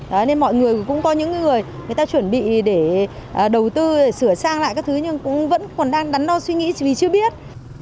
đấy nên mọi người cũng có những người người ta chuẩn bị để đầu tư để sửa sang lại các thứ nhưng cũng vẫn còn đang đắn đo suy nghĩ vì chưa biết